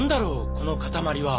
この塊は。